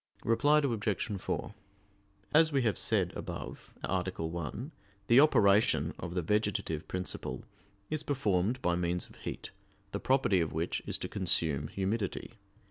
Reply Obj. 4: As we have said above (A. 1), the operation of the vegetative principle is performed by means of heat, the property of which is to consume humidity.